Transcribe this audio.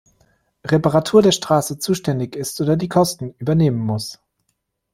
Reparatur der Straße zuständig ist oder die Kosten übernehmen muss.